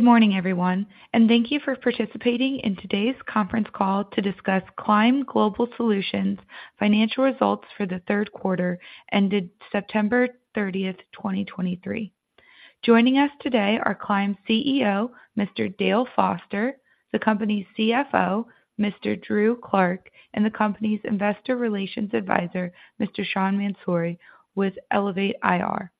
Good morning, everyone, and thank you for participating in today's conference call to discuss Climb Global Solutions' financial results for the Q3, ended September 30, 2023. Joining us today are Climb CEO, Mr. Dale Foster, the company's CFO, Mr. Drew Clark, and the company's investor relations advisor, Mr. Sean Mansouri, with Elevate IR.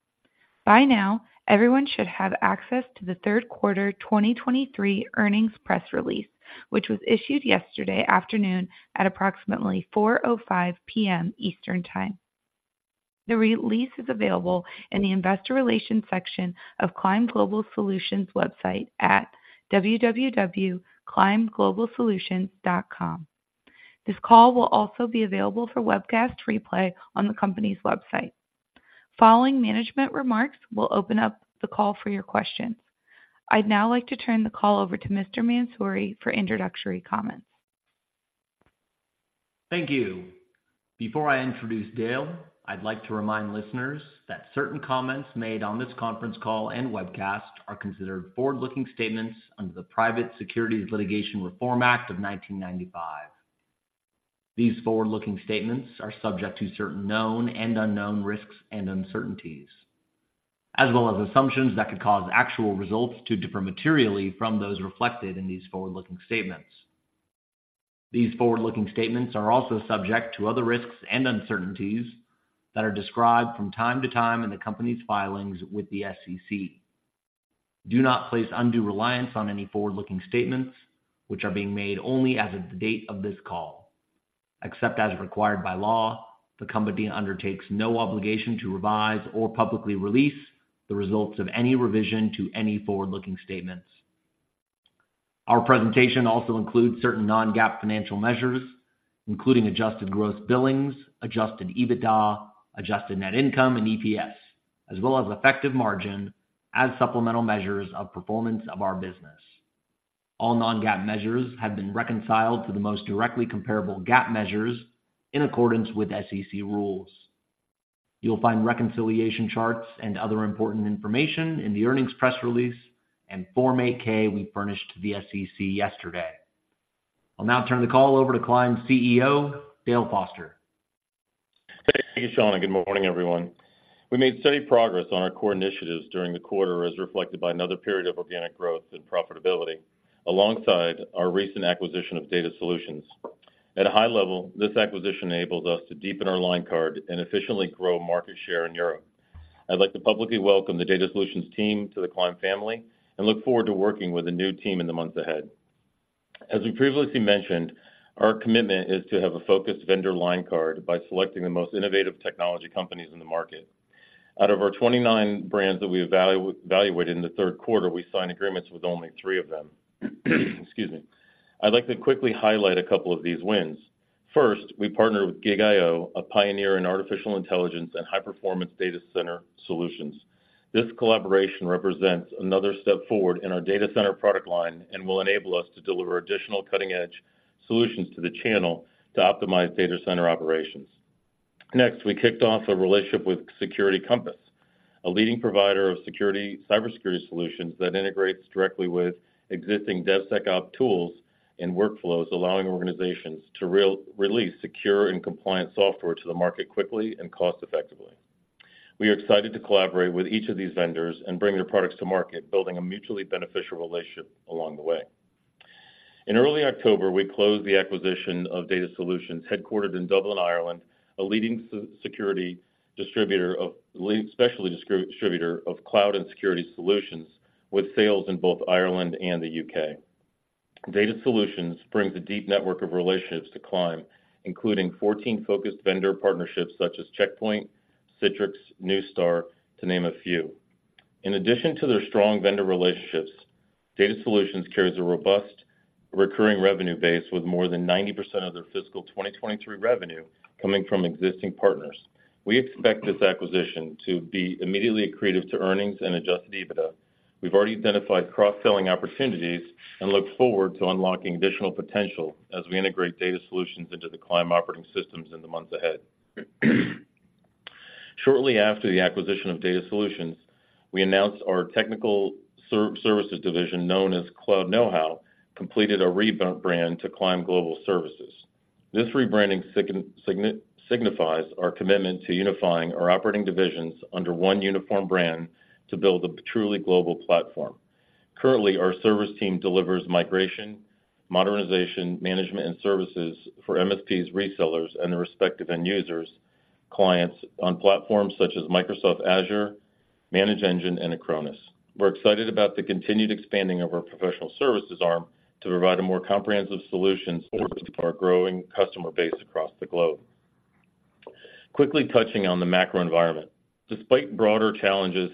By now, everyone should have access to the Q3 2023 earnings press release, which was issued yesterday afternoon at approximately 4:05 P.M. Eastern Time. The release is available in the Investor Relations section of Climb Global Solutions website at www.climbglobalsolutions.com. This call will also be available for webcast replay on the company's website. Following management remarks, we'll open up the call for your questions. I'd now like to turn the call over to Mr. Mansouri for introductory comments. Thank you. Before I introduce Dale, I'd like to remind listeners that certain comments made on this conference call and webcast are considered forward-looking statements under the Private Securities Litigation Reform Act of 1995. These forward-looking statements are subject to certain known and unknown risks and uncertainties, as well as assumptions that could cause actual results to differ materially from those reflected in these forward-looking statements. These forward-looking statements are also subject to other risks and uncertainties that are described from time to time in the company's filings with the SEC. Do not place undue reliance on any forward-looking statements, which are being made only as of the date of this call. Except as required by law, the company undertakes no obligation to revise or publicly release the results of any revision to any forward-looking statements. Our presentation also includes certain non-GAAP financial measures, including adjusted gross billings, adjusted EBITDA, adjusted net income and EPS, as well as effective margin as supplemental measures of performance of our business. All non-GAAP measures have been reconciled to the most directly comparable GAAP measures in accordance with SEC rules. You'll find reconciliation charts and other important information in the earnings press release and Form 8-K we furnished to the SEC yesterday. I'll now turn the call over to Climb CEO, Dale Foster. Thank you, Sean, and good morning, everyone. We made steady progress on our core initiatives during the quarter, as reflected by another period of organic growth and profitability, alongside our recent acquisition of DataSolutions. At a high level, this acquisition enables us to deepen our line card and efficiently grow market share in Europe. I'd like to publicly welcome the DataSolutions team to the Climb family and look forward to working with the new team in the months ahead. As we previously mentioned, our commitment is to have a focused vendor line card by selecting the most innovative technology companies in the market. Out of our 29 brands that we evaluated in the Q3, we signed agreements with only 3 of them. Excuse me. I'd like to quickly highlight a couple of these wins. First, we partnered with GigaIO, a pioneer in artificial intelligence and high-performance data center solutions. This collaboration represents another step forward in our data center product line and will enable us to deliver additional cutting-edge solutions to the channel to optimize data center operations. Next, we kicked off a relationship with Security Compass, a leading provider of cybersecurity solutions that integrates directly with existing DevSecOps tools and workflows, allowing organizations to release secure and compliant software to the market quickly and cost effectively. We are excited to collaborate with each of these vendors and bring their products to market, building a mutually beneficial relationship along the way. In early October, we closed the acquisition of DataSolutions, headquartered in Dublin, Ireland, a leading specialty distributor of cloud and security solutions, with sales in both Ireland and the UK. DataSolutions brings a deep network of relationships to Climb, including 14 focused vendor partnerships such as Check Point, Citrix, Neustar, to name a few. In addition to their strong vendor relationships, DataSolutions carries a robust recurring revenue base, with more than 90% of their fiscal 2023 revenue coming from existing partners. We expect this acquisition to be immediately accretive to earnings and adjusted EBITDA. We've already identified cross-selling opportunities and look forward to unlocking additional potential as we integrate DataSolutions into the Climb operating systems in the months ahead. Shortly after the acquisition of DataSolutions, we announced our technical services division, known as Cloud Know How, completed a rebrand to Climb Global Services. This rebranding signifies our commitment to unifying our operating divisions under 1 uniform brand to build a truly global platform. Currently, our service team delivers migration, modernization, management, and services for MSPs, resellers, and their respective end users, clients on platforms such as Microsoft Azure, ManageEngine, and Acronis. We're excited about the continued expanding of our professional services arm to provide a more comprehensive solution to our growing customer base across the globe. Quickly touching on the macro environment. Despite broader challenges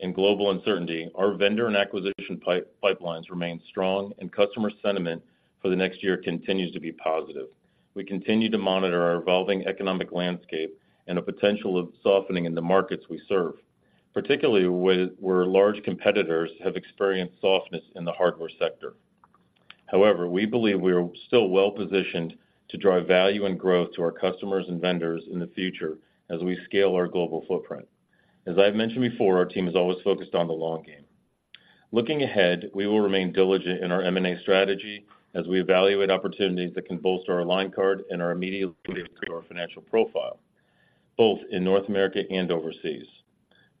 and global uncertainty, our vendor and acquisition pipelines remain strong, and customer sentiment for the next year continues to be positive. We continue to monitor our evolving economic landscape and the potential of softening in the markets we serve, particularly where large competitors have experienced softness in the hardware sector.... However, we believe we are still well-positioned to drive value and growth to our customers and vendors in the future as we scale our global footprint. As I've mentioned before, our team is always focused on the long game. Looking ahead, we will remain diligent in our M&A strategy as we evaluate opportunities that can bolster our line card and add to our financial profile, both in North America and overseas.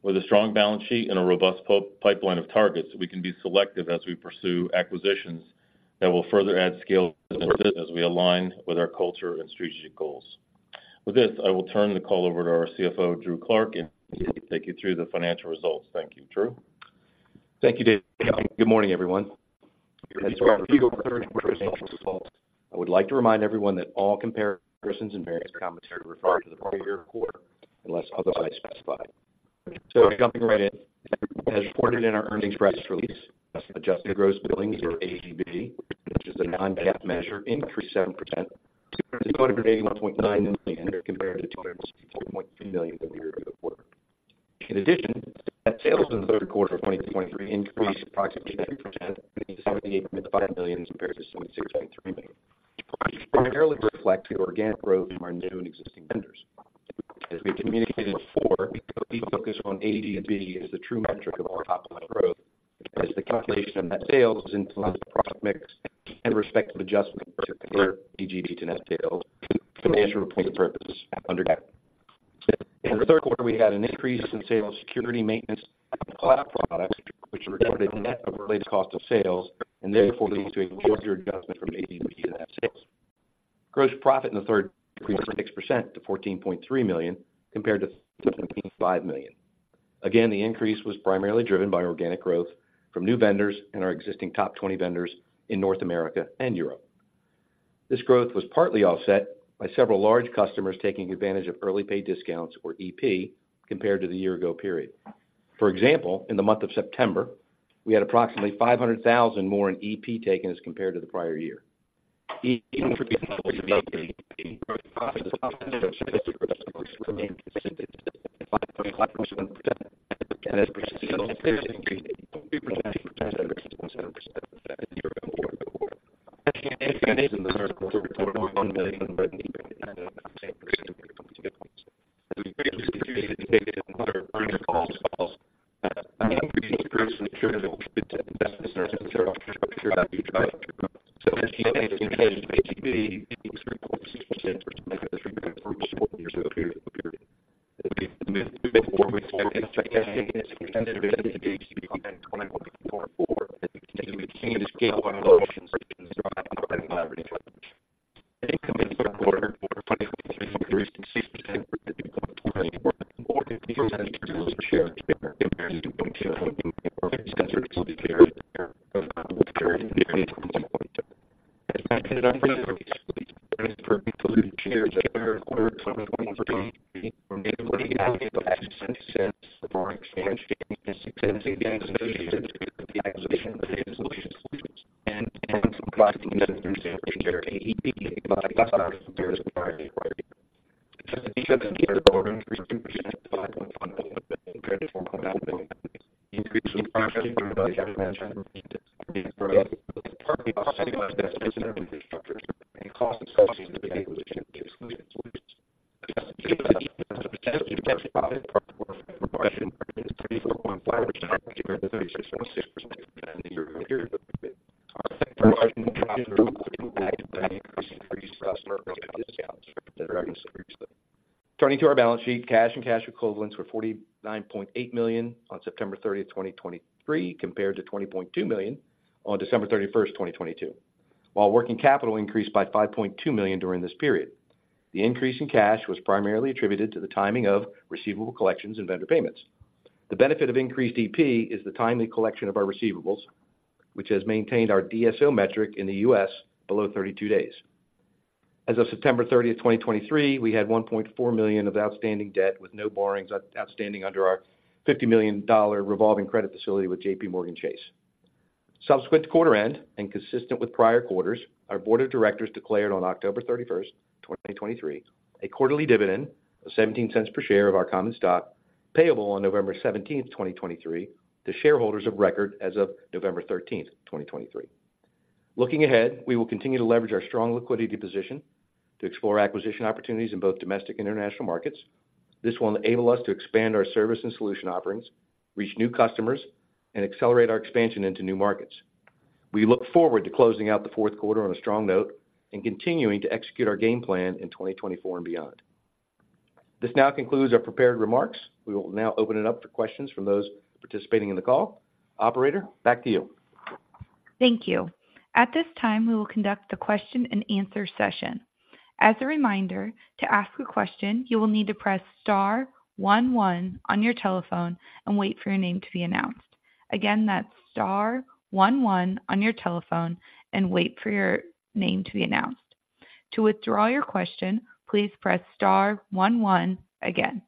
With a strong balance sheet and a robust pipeline of targets, we can be selective as we pursue acquisitions that will further add scale as we align with our culture and strategic goals. With this, I will turn the call over to our CFO, Drew Clark, and he will take you through the financial results. Thank you. Drew? Thank you, Dale. Good morning, everyone. As I go through our financial results, I would like to remind everyone that all comparisons and various commentary refer to the prior year quarter, unless otherwise specified. Jumping right in, as reported in our earnings press release, adjusted gross billings, or AGB, which is a non-GAAP measure, increased 7% to $0.9 million compared to $2.3 million the year ago quarter. In addition, net sales in the Q3 of 2023 increased approximately 3% to $78.5 million compared to $66.3 million, primarily reflect the organic growth from our new and existing vendors. As we've communicated before, we focus on AGB as the true metric of our top-line growth, as the calculation of net sales is influenced by product mix and respective adjustments for AGB to net sales for financial reporting purposes under GAAP. In the Q3, we had an increase in sales security, maintenance, and cloud products, which recorded a net of related cost of sales, and therefore leads to a larger adjustment from AGB to net sales. Gross profit in the Q3 increased 6% to $14.3 million, compared to $15.5 million. Again, the increase was primarily driven by organic growth from new vendors and our existing top 20 vendors in North America and Europe. This growth was partly offset by several large customers taking advantage of early pay discounts, or EP, compared to the year ago period. For example, in the month of September, we had approximately $500,000 more in EP taken as compared to the prior year. Even with the development, growth processes remained consistent, 5.1%. As net increased in the year before. [audio Profit margin is 32.5%, compared to 30.6% in the year period. Our large profits were impacted by an increase in customer discounts that are increased. Turning to our balance sheet, cash and cash equivalents were $49.8 million on September 30, 2023, compared to $20.2 million on December 31, 2022, while working capital increased by $5.2 million during this period. The increase in cash was primarily attributed to the timing of receivable collections and vendor payments. The benefit of increased EP is the timely collection of our receivables, which has maintained our DSO metric in the U.S. below 32 days. As of September 30, 2023, we had $1.4 million of outstanding debt with no borrowings outstanding under our $50 million revolving credit facility with JPMorgan Chase. Subsequent to quarter end and consistent with prior quarters, our board of directors declared on October 31, 2023, a quarterly dividend of $0.17 per share of our common stock, payable on November 17, 2023, to shareholders of record as of November 13, 2023. Looking ahead, we will continue to leverage our strong liquidity position to explore acquisition opportunities in both domestic and international markets. This will enable us to expand our service and solution offerings, reach new customers, and accelerate our expansion into new markets. We look forward to closing out the Q4 on a strong note and continuing to execute our game plan in 2024 and beyond. This now concludes our prepared remarks. We will now open it up for questions from those participating in the call. Operator, back to you. Thank you. At this time, we will conduct the question-and-answer session. As a reminder, to ask a question, you will need to press * 1 1 on your telephone and wait for your name to be announced. Again, that's * 1 1 on your telephone and wait for your name to be announced. To withdraw your question, please press* 1 1 again.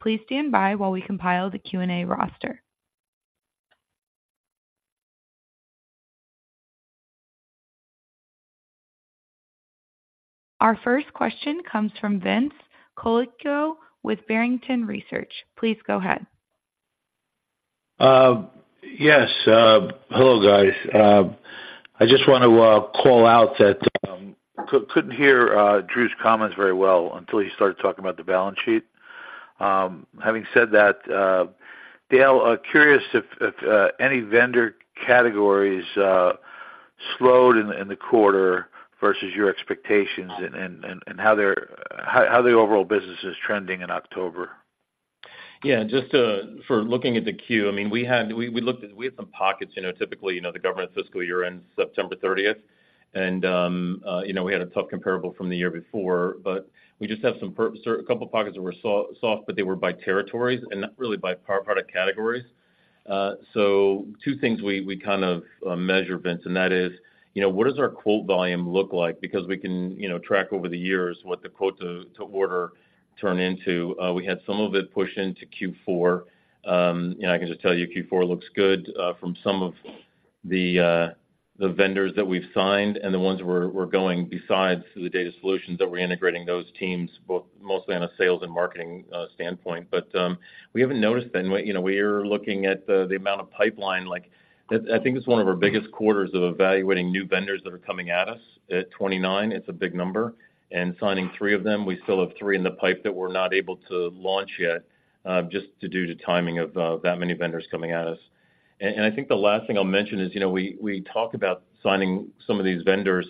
Please stand by while we compile the Q&A roster. ...Our first question comes from Vince Colicchio with Barrington Research. Please go ahead. Yes, hello, guys. I just want to call out that couldn't hear Drew's comments very well until he started talking about the balance sheet. Having said that, Dale, I'm curious if any vendor categories slowed in the quarter versus your expectations and how the overall business is trending in October? Yeah, just to, for looking at the Q, I mean, we had, we looked at, we had some pockets, you know, typically, you know, the government fiscal year ends September thirtieth, and, you know, we had a tough comparable from the year before, but we just have some, a couple of pockets that were soft, but they were by territories and not really by part, product categories. So 2 things we kind of measure, Vince, and that is, you know, what does our quote volume look like? Because we can, you know, track over the years what the quote to order turn into. We had some of it push into Q4. You know, I can just tell you, Q4 looks good from some of the vendors that we've signed and the ones we're going besides the DataSolutions that we're integrating those teams, both mostly on a sales and marketing standpoint. But we haven't noticed then, you know, we're looking at the amount of pipeline, like, I think it's one of our biggest quarters of evaluating new vendors that are coming at us. At 29, it's a big number, and signing 3 of them, we still have 3 in the pipe that we're not able to launch yet, just due to timing of that many vendors coming at us. And I think the last thing I'll mention is, you know, we talk about signing some of these vendors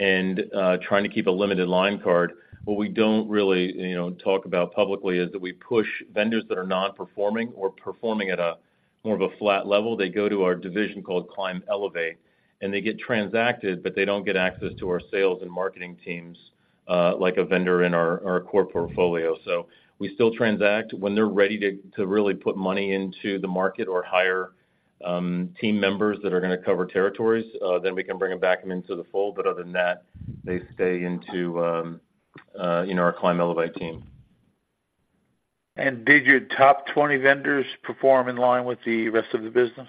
and trying to keep a limited line card. What we don't really, you know, talk about publicly is that we push vendors that are not performing or performing at a more of a flat level. They go to our division called Climb Elevate, and they get transacted, but they don't get access to our sales and marketing teams like a vendor in our core portfolio. So we still transact. When they're ready to really put money into the market or hire team members that are going to cover territories, then we can bring them back into the fold. But other than that, they stay into you know, our Climb Elevate team. Did your top 20 vendors perform in line with the rest of the business?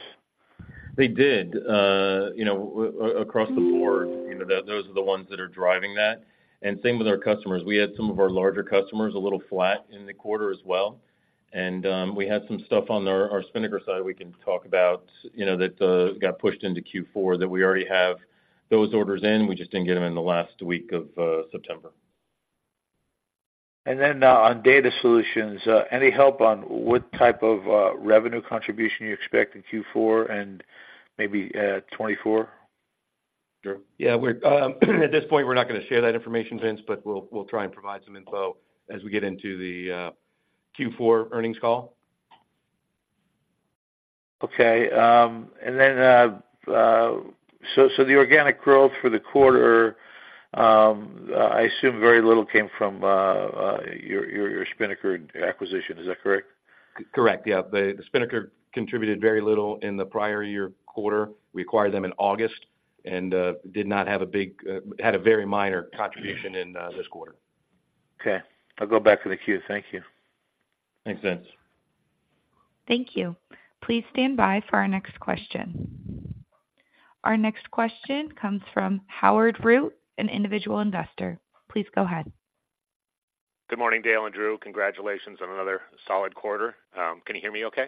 They did, you know, across the board, you know, those are the ones that are driving that. And same with our customers. We had some of our larger customers, a little flat in the quarter as well. And we had some stuff on our Spinnaker side we can talk about, you know, that got pushed into Q4, that we already have those orders in. We just didn't get them in the last week of September. And then, on DataSolutions, any help on what type of, revenue contribution you expect in Q4 and maybe, 2024? Sure. Yeah, we're at this point, we're not going to share that information, Vince, but we'll, we'll try and provide some info as we get into the Q4 earnings call. Okay, the organic growth for the quarter, I assume very little came from your Spinnaker acquisition. Is that correct? Correct, yeah. The Spinnaker contributed very little in the prior year quarter. We acquired them in August and had a very minor contribution in this quarter. Okay. I'll go back to the queue. Thank you. Thanks, Vince. Thank you. Please stand by for our next question. Our next question comes from Howard Root, an individual investor. Please go ahead. Good morning, Dale and Drew. Congratulations on another solid quarter. Can you hear me okay?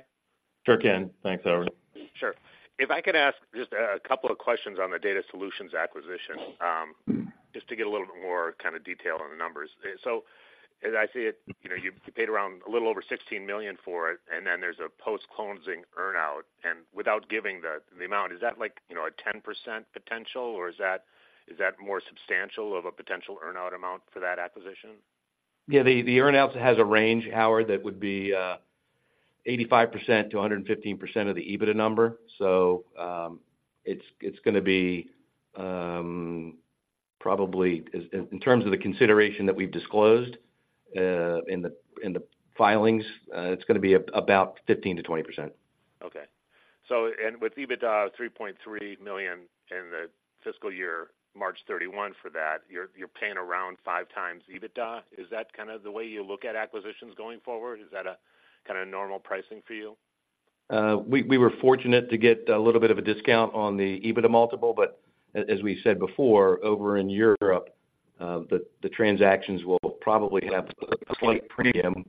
Sure can. Thanks, Howard. Sure. If I could ask just a couple of questions on the DataSolutions acquisition, just to get a little bit more kind of detail on the numbers. So as I see it, you know, you paid around a little over $16 million for it, and then there's a post-closing earn-out. And without giving the amount, is that like, you know, a 10% potential, or is that more substantial of a potential earn-out amount for that acquisition? Yeah, the earn-out has a range, Howard, that would be 85% to 115% of the EBITDA number. So, it's gonna be probably in terms of the consideration that we've disclosed in the filings, it's gonna be about 15%-20%. Okay. So, and with EBITDA, $3.3 million in the fiscal year, March 31 for that, you're, you're paying around 5x EBITDA. Is that kind of the way you look at acquisitions going forward? Is that a kind of normal pricing for you? We were fortunate to get a little bit of a discount on the EBITDA multiple, but as we said before, over in Europe, the transactions will probably have a slight premium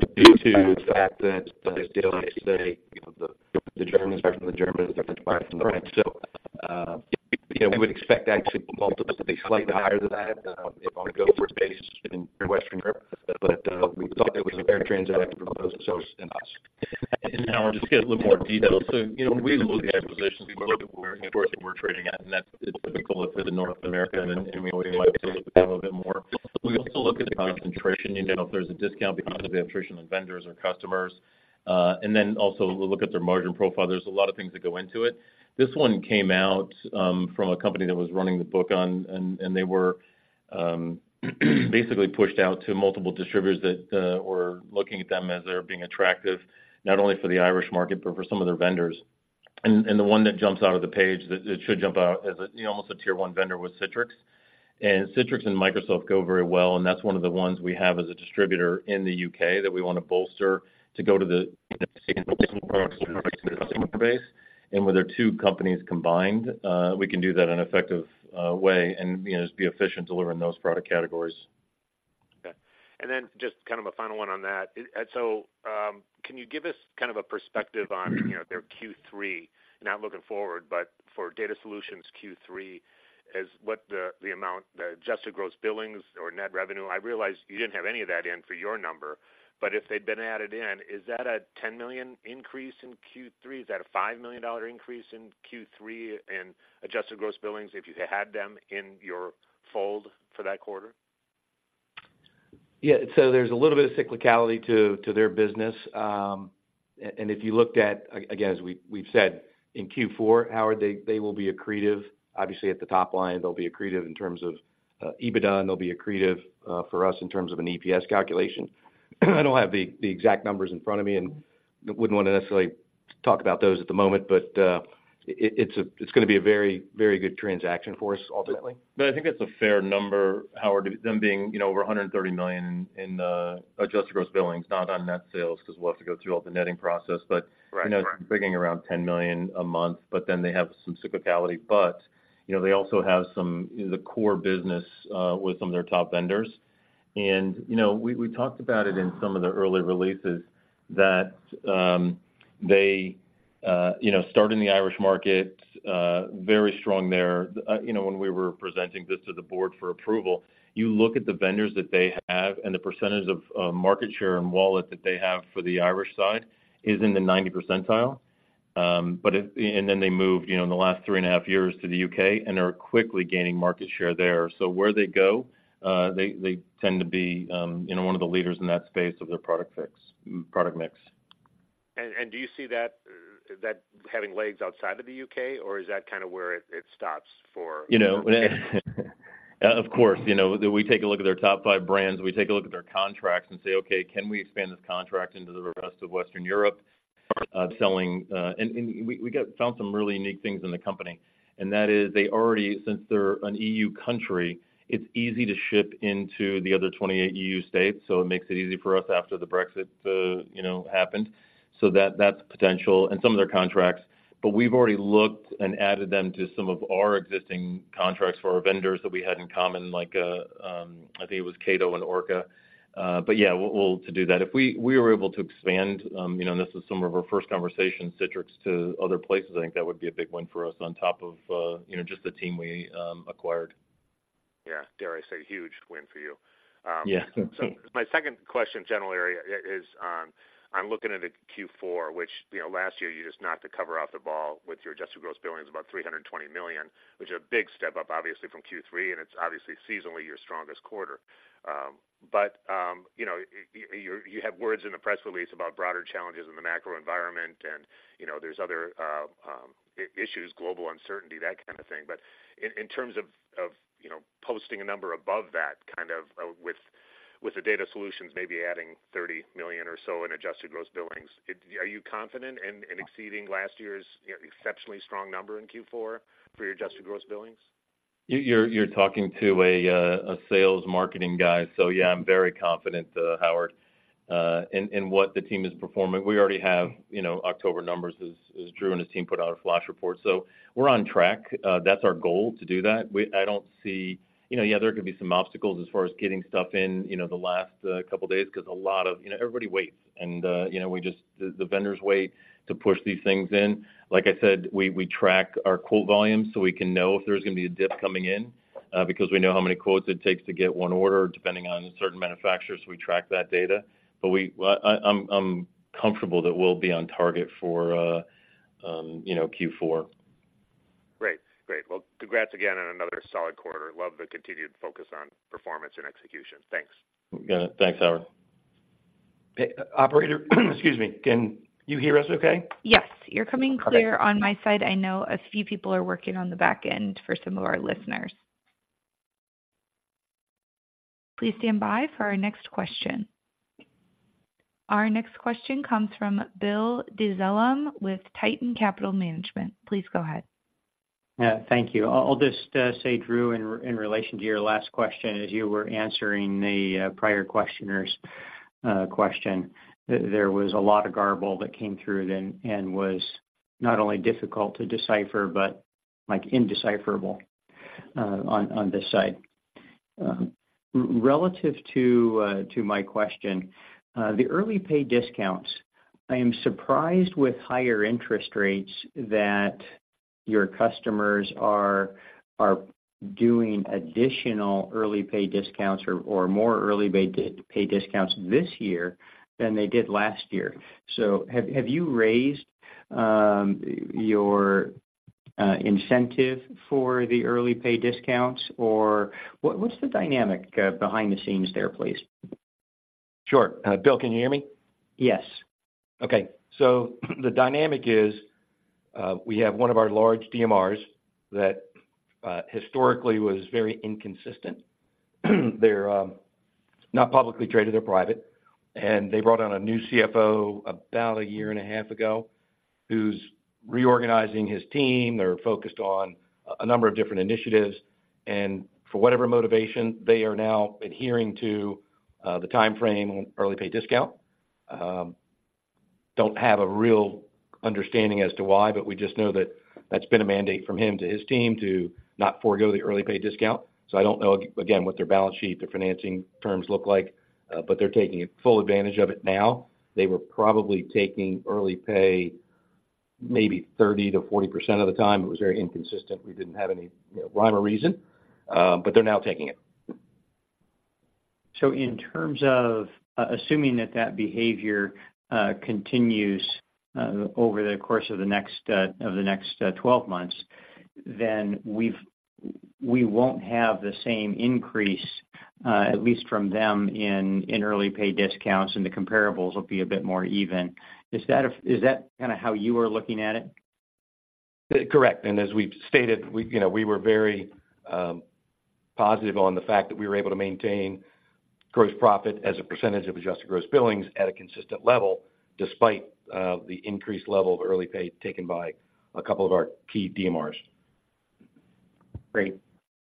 due to the fact that, as Dale likes to say, you know, the Germans are different to buy from the French. So, you know, we would expect that multiple to be slightly higher than that on a go-forward basis in Western Europe, but we thought it was a fair transaction for both ourselves and us. And now, just to get a little more detail. So, you know, when we look at the acquisitions, we look at where we're trading at, and that's typical for North America, and we might look a bit more. We also look at the concentration, you know, if there's a discount because of the concentration of vendors or customers, and then also we look at their margin profile. There's a lot of things that go into it. This one came out from a company that was running the book on, and they were basically pushed out to multiple distributors that were looking at them as they're being attractive, not only for the Irish market, but for some of their vendors. And the one that jumps out of the page, that it should jump out as a, you know, almost a tier 1 vendor was Citrix. And Citrix and Microsoft go very well, and that's one of the ones we have as a distributor in the U.K., that we want to bolster to go to the... customer base. With their 2 companies combined, we can do that in an effective way and, you know, just be efficient delivering those product categories. ... And then just kind of a final one on that. And so, can you give us kind of a perspective on, you know, their Q3, not looking forward, but for DataSolutions Q3, as what the, the amount, the Adjusted Gross Billings or net revenue? I realize you didn't have any of that in for your number, but if they'd been added in, is that a $10 million increase in Q3? Is that a $5 million increase in Q3 in Adjusted Gross Billings, if you had them in your fold for that quarter? Yeah. So there's a little bit of cyclicality to their business. If you looked at, again, as we've said in Q4, Howard, they will be accretive, obviously, at the top line. They'll be accretive in terms of EBITDA, and they'll be accretive for us in terms of an EPS calculation. I don't have the exact numbers in front of me and wouldn't want to necessarily talk about those at the moment, but it's gonna be a very, very good transaction for us, ultimately. But I think that's a fair number, Howard, them being, you know, over $130 million in Adjusted Gross Billings, not on net sales, because we'll have to go through all the netting process. Right. But, you know, bringing around $10 million a month, but then they have some cyclicality. But, you know, they also have some, the core business, with some of their top vendors. And, you know, we, we talked about it in some of the early releases, that they, you know, started in the Irish market, very strong there. You know, when we were presenting this to the board for approval, you look at the vendors that they have and the percentage of, of market share and wallet that they have for the Irish side, is in the 90 percentile. But and then they moved, you know, in the last 3 and a 1/2 years to the U.K., and they're quickly gaining market share there. So where they go, they tend to be, you know, one of the leaders in that space of their product mix. do you see that having legs outside of the UK, or is that kind of where it stops for- You know, of course, you know, we take a look at their top 5 brands, we take a look at their contracts and say, "Okay, can we expand this contract into the rest of Western Europe?" And we found some really unique things in the company, and that is, they already, since they're an EU country, it's easy to ship into the other 28 EU states, so it makes it easy for us after the Brexit, you know, happened. So that, that's potential in some of their contracts, but we've already looked and added them to some of our existing contracts for our vendors that we had in common, like, I think it was Cato and Orca. But yeah, we'll to do that. If we were able to expand, you know, and this is some of our first conversations, Citrix to other places, I think that would be a big win for us on top of, you know, just the team we acquired. Yeah. Dare I say, huge win for you. Yeah. So my second question, general area, is on, I'm looking at the Q4, which, you know, last year you just knocked the cover off the ball with your Adjusted Gross Billings, about $320 million, which is a big step up, obviously, from Q3, and it's obviously seasonally your strongest quarter. But, you know, you have words in the press release about broader challenges in the macro environment and, you know, there's other issues, global uncertainty, that kind of thing. But in terms of, of, you know, posting a number above that, kind of, with, with the DataSolutions, maybe adding $30 million or so in Adjusted Gross Billings, are you confident in, in exceeding last year's, you know, exceptionally strong number in Q4 for your Adjusted Gross Billings? You're talking to a sales marketing guy, so yeah, I'm very confident, Howard, in what the team is performing. We already have, you know, October numbers as Drew and his team put out a flash report. So we're on track. That's our goal, to do that. I don't see. You know, yeah, there could be some obstacles as far as getting stuff in, you know, the last couple of days, because a lot of—you know, everybody waits, and, you know, we just—the vendors wait to push these things in. Like I said, we track our quote volume, so we can know if there's going to be a dip coming in, because we know how many quotes it takes to get 1 order, depending on certain manufacturers, we track that data. But well, I, I'm comfortable that we'll be on target for, you know, Q4. Great. Great. Well, congrats again on another solid quarter. Love the continued focus on performance and execution. Thanks. Got it. Thanks, Howard. Hey, operator, excuse me, can you hear us okay? Yes, you're coming clear on my side. I know a few people are working on the back end for some of our listeners. Please stand by for our next question. Our next question comes from Bill Dezellem with Tieton Capital Management. Please go ahead. Yeah, thank you. I'll just say, Drew, in relation to your last question, as you were answering the prior questioner's question, there was a lot of garble that came through then and was not only difficult to decipher, but like indecipherable on this side. Relative to my question, the early pay discounts, I am surprised with higher interest rates that your customers are doing additional early pay discounts or more early pay discounts this year than they did last year. So have you raised your incentive for the early pay discounts, or what's the dynamic behind the scenes there, please? Sure. Bill, can you hear me? Yes. Okay. So the dynamic is, we have one of our large DMRs that historically was very inconsistent. They're not publicly traded, they're private, and they brought on a new CFO about a year and a half ago, who's reorganizing his team. They're focused on a number of different initiatives, and for whatever motivation, they are now adhering to the timeframe on early pay discount. Don't have a real understanding as to why, but we just know that that's been a mandate from him to his team to not forego the early pay discount. So I don't know, again, what their balance sheet, their financing terms look like, but they're taking full advantage of it now. They were probably taking early pay maybe 30%-40% of the time. It was very inconsistent. We didn't have any, you know, rhyme or reason, but they're now taking it. So in terms of assuming that that behavior continues over the course of the next, of the next, 12 months, then we won't have the same increase, at least from them in Early Pay Discounts, and the comparables will be a bit more even. Is that kinda how you are looking at it? Correct. As we've stated, we, you know, we were very positive on the fact that we were able to maintain gross profit as a percentage of Adjusted Gross Billings at a consistent level, despite the increased level of early pay taken by a couple of our key DMRs. Great.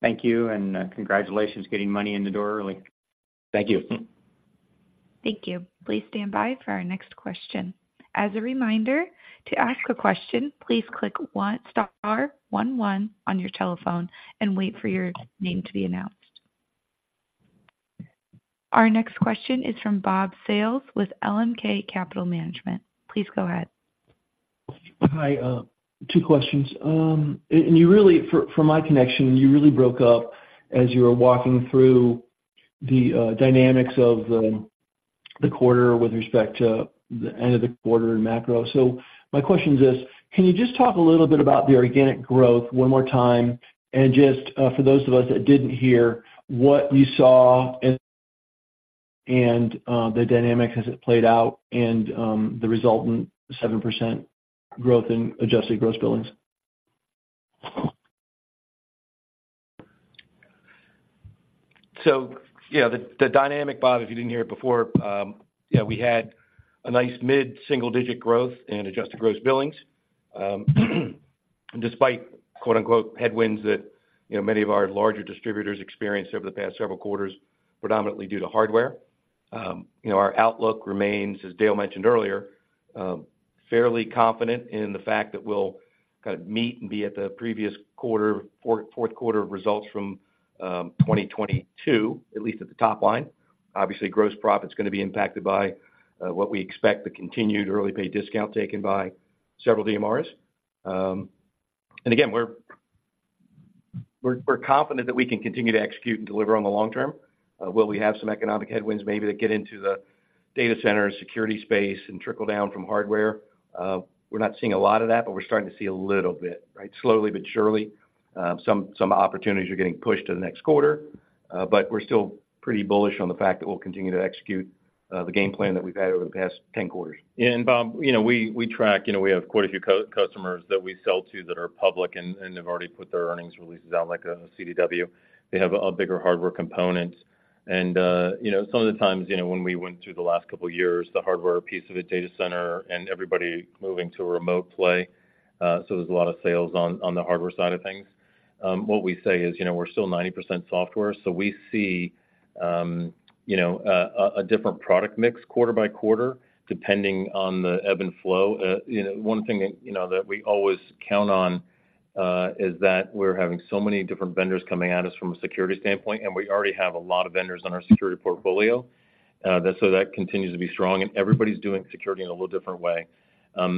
Thank you, and congratulations getting money in the door early. Thank you. Thank you. Please stand by for our next question. As a reminder, to ask a question, please press * 1 on your telephone and wait for your name to be announced. Our next question is from Bob Sales with LMK Capital Management. Please go ahead. Hi, 2 questions. And you really—for from my connection, you really broke up as you were walking through the dynamics of the quarter with respect to the end of the quarter in macro. So my question is this: Can you just talk a little bit about the organic growth one more time? And just, for those of us that didn't hear, what you saw and the dynamic as it played out and the resultant 7% growth in Adjusted Gross Billings? So yeah, the dynamic, Bob, if you didn't hear it before, yeah, we had a nice mid-single-digit growth in Adjusted Gross Billings. Despite quote-unquote "headwinds" that, you know, many of our larger distributors experienced over the past several quarters, predominantly due to hardware. You know, our outlook remains, as Dale mentioned earlier, fairly confident in the fact that we'll kind of meet and be at the previous quarter, Q4 results from 2022, at least at the top line. Obviously, gross profit is gonna be impacted by what we expect, the continued Early Pay Discount taken by several DMRs. And again, we're confident that we can continue to execute and deliver on the long term. Will we have some economic headwinds maybe that get into the data center security space and trickle down from hardware? We're not seeing a lot of that, but we're starting to see a little bit, right? Slowly but surely, some opportunities are getting pushed to the next quarter, but we're still pretty bullish on the fact that we'll continue to execute the game plan that we've had over the past 10 quarters. And Bob, you know, we track, you know, we have quite a few customers that we sell to that are public, and they've already put their earnings releases out, like, CDW. They have a bigger hardware component. You know, some of the times, you know, when we went through the last couple of years, the hardware piece of a data center and everybody moving to a remote play, so there's a lot of sales on the hardware side of things. What we say is, you know, we're still 90% software, so we see, you know, a different product mix quarter by quarter, depending on the ebb and flow. You know, one thing, you know, that we always count on is that we're having so many different vendors coming at us from a security standpoint, and we already have a lot of vendors on our security portfolio, so that continues to be strong, and everybody's doing security in a little different way.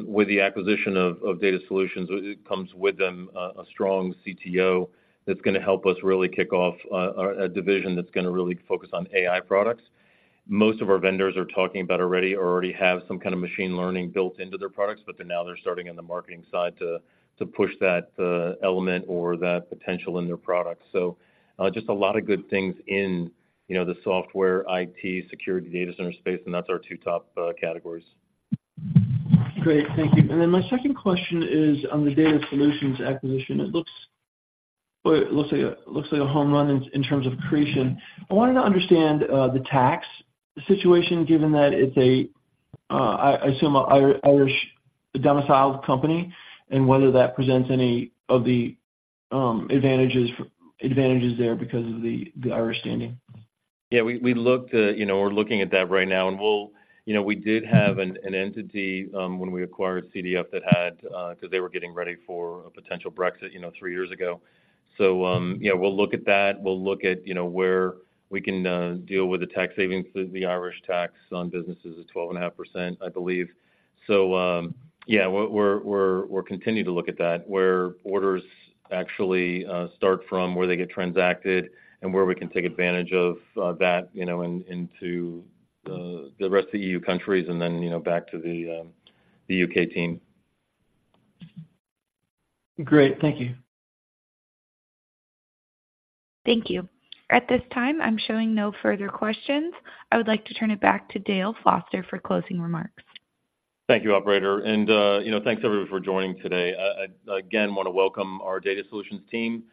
With the acquisition of DataSolutions, it comes with them a strong CTO that's gonna help us really kick off a division that's gonna really focus on AI products. Most of our vendors are talking about already or already have some kind of machine learning built into their products, but then now they're starting in the marketing side to push that element or that potential in their products. So, just a lot of good things in, you know, the software, IT, security data center space, and that's our 2 top categories. Great. Thank you. And then my second question is on the DataSolutions acquisition. It looks, well, it looks like a home run in terms of creation. I wanted to understand the tax situation, given that it's a I assume Irish-domiciled company, and whether that presents any of the advantages there because of the Irish standing. Yeah, we looked at... You know, we're looking at that right now, and we'll, you know, we did have an entity when we acquired CDF that had, because they were getting ready for a potential Brexit, you know, 3 years ago. So, yeah, we'll look at that. We'll look at, you know, where we can deal with the tax savings. The Irish tax on businesses is 12.5%, I believe. So, yeah, we're continuing to look at that, where orders actually start from, where they get transacted, and where we can take advantage of that, you know, into the rest of the EU countries, and then, you know, back to the U.K. team. Great. Thank you. Thank you. At this time, I'm showing no further questions. I would like to turn it back to Dale Foster for closing remarks. Thank you, operator, and, you know, thanks, everyone, for joining today. Again, want to welcome our DataSolutions team.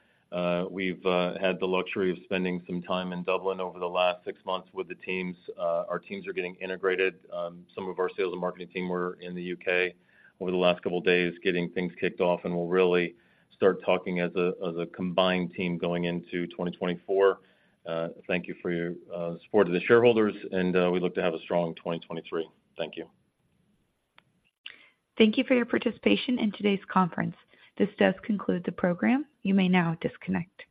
We've had the luxury of spending some time in Dublin over the last 6 months with the teams. Our teams are getting integrated. Some of our sales and marketing team were in the U.K. over the last couple of days, getting things kicked off, and we'll really start talking as a, as a combined team going into 2024. Thank you for your support of the shareholders, and, we look to have a strong 2023. Thank you. Thank you for your participation in today's conference. This does conclude the program. You may now disconnect.